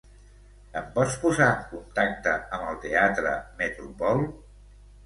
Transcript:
Em pots posar en contacte amb el teatre Metropol?